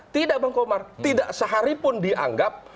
tidak bang komar tidak sehari pun dianggap